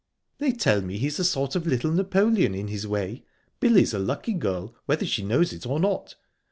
"They tell me he's a sort of little Napoleon, in his way. Billy's a lucky girl, whether she knows it or not."